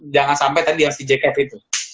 jangan sampai tadi yang si jacket itu